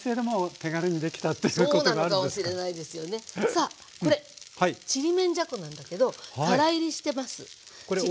さあこれちりめんじゃこなんだけどからいりしてます。